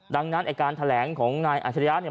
ดังนั้นไอ้การแถลงของนายอาชริยะเนี่ย